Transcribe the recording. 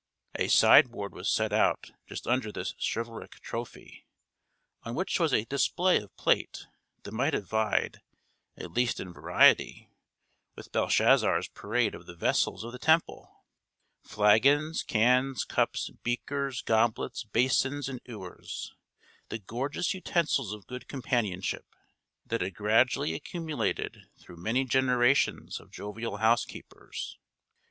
A sideboard was set out just under this chivalric trophy, on which was a display of plate that might have vied (at least in variety) with Belshazzar's parade of the vessels of the temple; "flagons, cans, cups, beakers, goblets, basins, and ewers;" the gorgeous utensils of good companionship, that had gradually accumulated through many generations of jovial housekeepers.